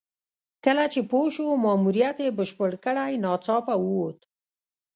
کله چې پوه شو ماموریت یې بشپړ کړی ناڅاپه ووت.